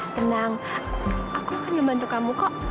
tenang aku akan membantu kamu kok